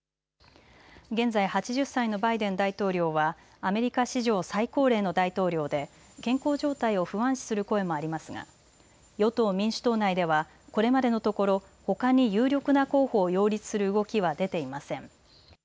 現在、８０歳のバイデン大統領はアメリカ史上最高齢の大統領で健康状態を不安視する声もありますが与党・民主党内ではこれまでのところ、ほかに有力な候補を擁立する動きは出ていません。